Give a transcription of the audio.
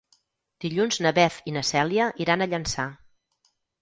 Dilluns na Beth i na Cèlia iran a Llançà.